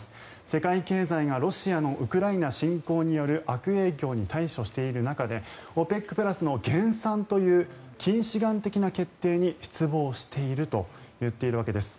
世界経済がロシアのウクライナ侵攻による悪影響に対処している中でＯＰＥＣプラスの減産という近視眼的な決定に失望していると言っているわけです。